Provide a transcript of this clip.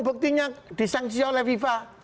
buktinya disangkisi oleh viva